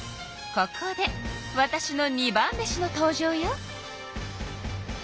ここでわたしの二番弟子の登場よ。